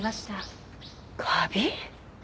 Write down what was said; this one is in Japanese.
カビ？